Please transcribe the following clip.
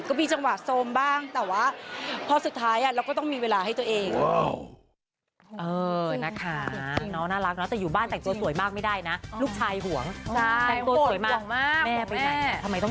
ก็มีจังหวะโซมบ้างแต่ว่าพอสุดท้ายเราก็ต้องมีเวลาให้ตัวเอง